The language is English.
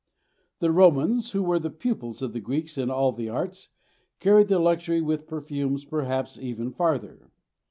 The Romans, who were the pupils of the Greeks in all the arts, carried the luxury with perfumes perhaps even farther.